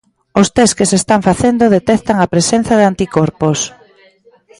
Os tests que se están facendo detectan a presenza de anticorpos.